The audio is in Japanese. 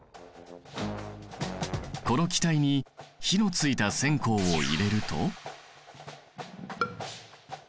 この気体に火のついた線香を入れると。